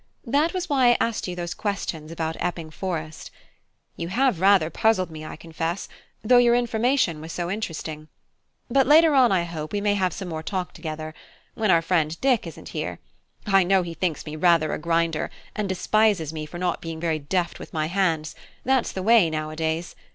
That was why I asked you those questions about Epping Forest. You have rather puzzled me, I confess, though your information was so interesting. But later on, I hope, we may have some more talk together, when our friend Dick isn't here. I know he thinks me rather a grinder, and despises me for not being very deft with my hands: that's the way nowadays.